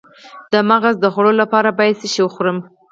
د مغز د خوړو لپاره باید څه شی وخورم؟